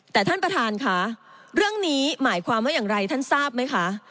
แต่ท่านประธานค่ะเรื่องนี้หมายความว่าอย่างไรท่านทราบไหมคะ